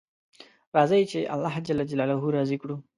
راځئ چې الله جل جلاله راضي کړو